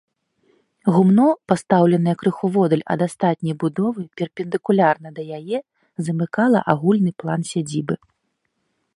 Гумно, пастаўленае крыху воддаль ад астатняй будовы, перпендыкулярна да яе, замыкала агульны план сядзібы.